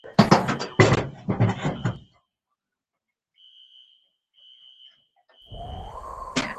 د سهار شپږ بجي